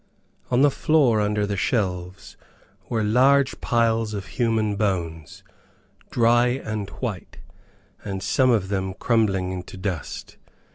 On the floor under the shelves, were large piles of human bones, dry and white, and some of them crumbling into dust.